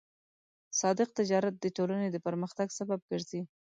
صادق تجارت د ټولنې د پرمختګ سبب ګرځي.